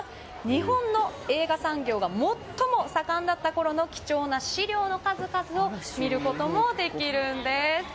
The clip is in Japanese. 日本の映画産業が最も盛んだったころの貴重な資料の数々を見ることもできるんです。